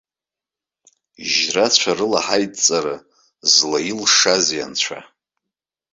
Жьра-цәарала ҳаидҵара злаилшазеи анцәа?